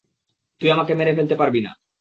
তুই আমাকে মেরে ফেলতে পারবি না।